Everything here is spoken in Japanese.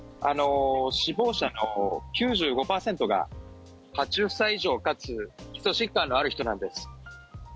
死亡者の９５％が８０歳以上かつ基礎疾患のある人なんです。